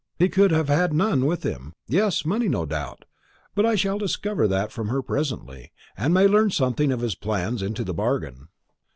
He could have had none with him. Yes, money, no doubt; but I shall discover that from her presently, and may learn something of his plans into the bargain."